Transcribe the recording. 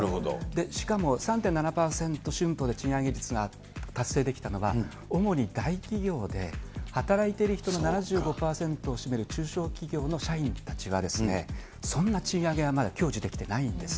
しかも３．７％春闘で賃上げ率が達成できたのは、主に大企業で働いてる人の７５％を占める中小企業の社員たちは、そんな賃上げはまだ享受できてないんです。